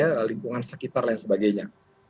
lalu ada lingkungan sekitar lain sebagainya